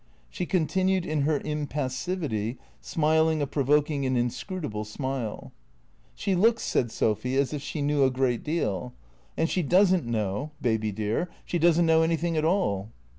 She continued in her impassivity, smiling a provoking and inscnitable smile, " She looks," said Sophy, " as if she knew a great deal. And she does n't know, Baby dear, she does n't know anything at all."